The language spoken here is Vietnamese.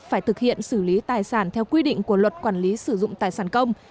phải thực hiện xử lý tài sản theo quy định của luật quản lý sử dụng tài sản công